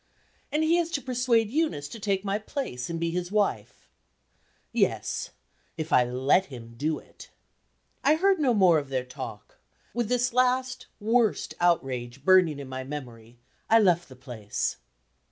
And he is to persuade Eunice to take my place, and be his wife. Yes! if I let him do it. I heard no more of their talk. With that last, worst outrage burning in my memory, I left the place.